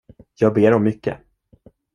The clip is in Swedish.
Jag ber om mycket.